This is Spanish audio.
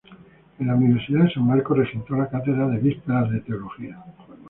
En la Universidad de San Marcos regentó la cátedra de Vísperas de Teología.